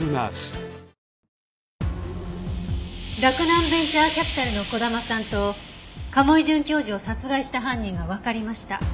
洛南ベンチャーキャピタルの児玉さんと賀茂井准教授を殺害した犯人がわかりました。